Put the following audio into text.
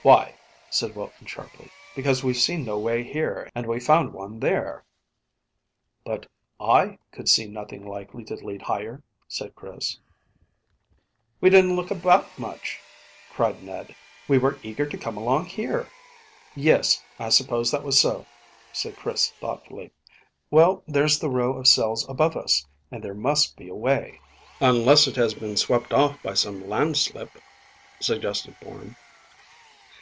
"Why?" said Wilton sharply. "Because we've seen no way here, and we found one there." "But I could see nothing likely to lead higher," said Chris. "We didn't look about much," cried Ned. "We were eager to come along here." "Yes, I suppose that was so," said Chris thoughtfully. "Well, there's the row of cells above us, and there must be a way." "Unless it has been swept off by some landslip," suggested Bourne.